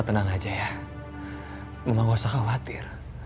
tenang aja ya mama gausah khawatir